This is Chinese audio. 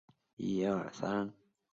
十万大山瓜馥木